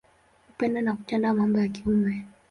Kupenda na kutenda mambo ya kiume.